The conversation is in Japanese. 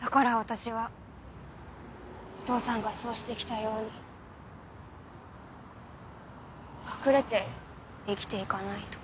だから私はお父さんがそうして来たように隠れて生きて行かないと。